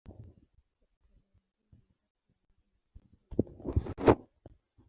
Kwa upande mwingine mipaka ya nje ya anga haijulikani kabisa.